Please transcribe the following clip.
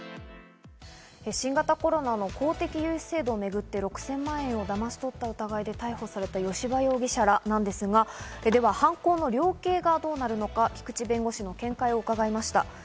新型コロナの法的融資制度をめぐって６０００万円をだまし取った疑いで逮捕された吉羽容疑者らなんですが、では、犯行の量刑がどうなるのか菊地弁護士の見解を伺いました。